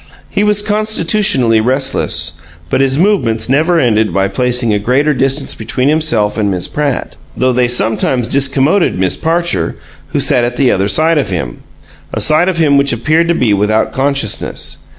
He was constitutionally restless, but his movements never ended by placing a greater distance between himself and Miss Pratt, though they sometimes discommoded Miss Parcher, who sat at the other side of him a side of him which appeared to be without consciousness.